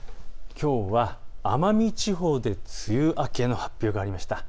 きょうは奄美地方で梅雨明けの発表がありました。